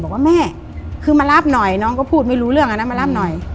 บอกว่าแม่คือมารับหน่อยน้องก็พูดไม่รู้เรื่องอันนั้นมารับหน่อย